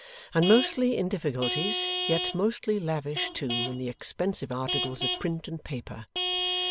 And mostly in difficulties, yet mostly lavish, too, in the expensive articles of print and paper.